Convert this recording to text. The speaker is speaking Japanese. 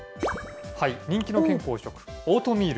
人気の健康食、オートミール。